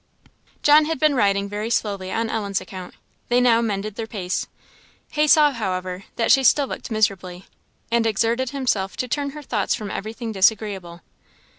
John had been riding very slowly on Ellen's account; they now mended their pace. He saw, however, that she still looked miserably, and exerted himself to turn her thoughts from everything disagreeable.